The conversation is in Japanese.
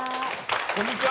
こんにちは。